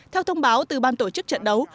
theo thông báo từ ban tổ chức trận đấu